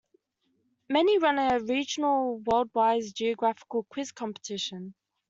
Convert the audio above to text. Many run a regional Worldwise geographical quiz competition.